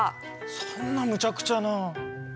そんなむちゃくちゃな。